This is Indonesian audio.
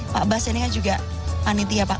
pak bas ini kan juga panitia pak